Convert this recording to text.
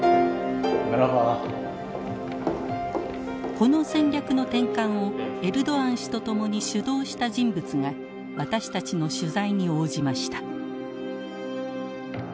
この戦略の転換をエルドアン氏と共に主導した人物が私たちの取材に応じました。